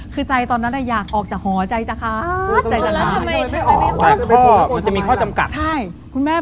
คือใจตอนนั้นอยากออกจากหอใจจะคะ